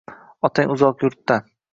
Otang uzoq yurtda